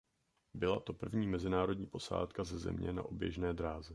Byla to první mezinárodní posádka ze Země na oběžné dráze.